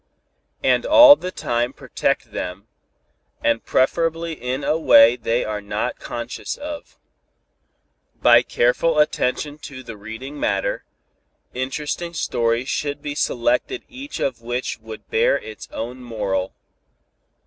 And all the time protect them, and preferably in a way they are not conscious of. By careful attention to the reading matter, interesting stories should be selected each of which would bear its own moral.